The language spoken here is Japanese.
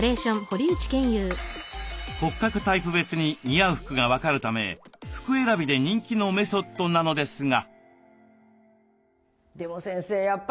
骨格タイプ別に似合う服が分かるため服選びで人気のメソッドなのですが。